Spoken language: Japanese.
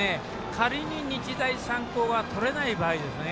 仮に日大三高が取れない場合ですね。